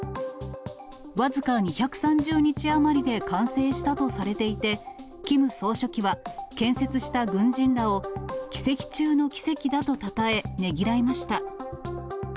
僅か２３０日余りで完成したとされていて、キム総書記は、建設した軍人らを奇跡中の奇跡だとたたえ、ねぎらいました。